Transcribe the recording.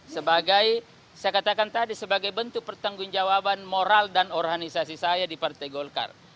sebagai saya katakan tadi sebagai bentuk pertanggung jawaban moral dan organisasi saya di partai golkar